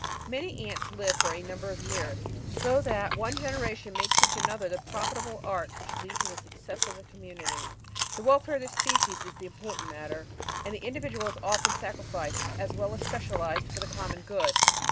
Many Ants live for a number of years, so that one generation may teach another the profitable arts which lead to the success of the community. The welfare of the species is the important matter, and the individual is often sacrificed, as well as specialised, for the common good.